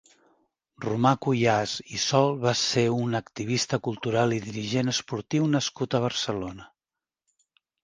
Romà Cuyàs i Sol va ser un activista cultural i dirigent esportiu nascut a Barcelona.